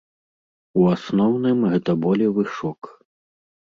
У асноўным, гэта болевы шок.